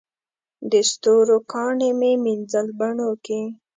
د ستورو کاڼي مې مینځل بڼوکي